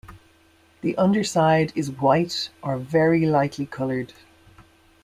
The underside is white or very lightly coloured.